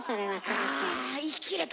あ言い切れた。